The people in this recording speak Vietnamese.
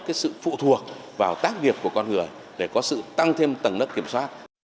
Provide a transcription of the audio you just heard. cái sự phụ thuộc vào tác nghiệp của con người để có sự tăng thêm tầng nước kiểm soát